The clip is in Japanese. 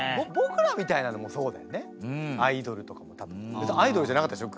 別にアイドルじゃなかったでしょ？